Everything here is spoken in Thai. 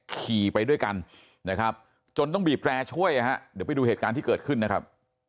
ขี่ไปด้วยกันนะครับจนต้องบีบแร่ช่วยนะฮะเดี๋ยวไปดูเหตุการณ์ที่เกิดขึ้นนะครับ